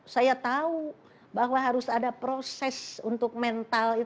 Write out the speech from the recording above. saya tahu bahwa harus ada proses untuk mental